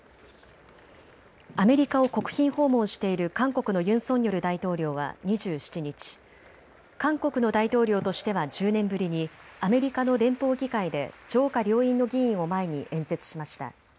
アメリカを国賓訪問している韓国のユン・ソンニョル大統領は２７日、韓国の大統領としては１０年ぶりにアメリカの連邦議会で上下両院の議員を前に演説しました。